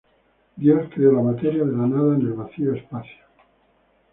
Dios creó la materia de la nada en el vacío espacio.